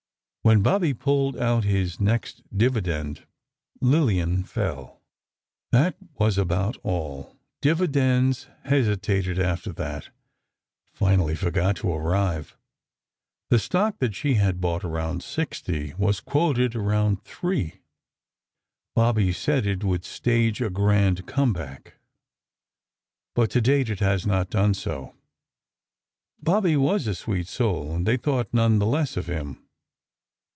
When Bobby pulled out his next dividend, Lillian fell. That was about all: dividends hesitated after that, finally forgot to arrive. The stock that she had bought around 60, was quoted around 3. Bobby said it would "stage a grand come back," but to date it has not done so. Bobby was a sweet soul, and they thought none the less of him.